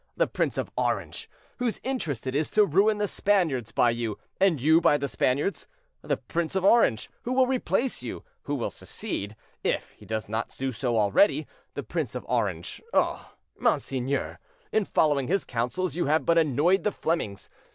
—the Prince of Orange. Whose interest is it to ruin the Spaniards by you, and you by the Spaniards?—the Prince of Orange. Who will replace you, who will succeed, if he does not do so already?—the Prince of Orange? Oh! monseigneur, in following his counsels you have but annoyed the Flemings.